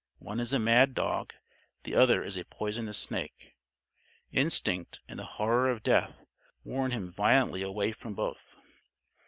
One is a mad dog. The other is a poisonous snake. Instinct, and the horror of death, warn him violently away from both.